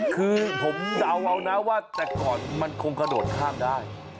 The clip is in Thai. คือผมเดาเอานะว่าแต่ก่อนมันคงกระโดดข้ามได้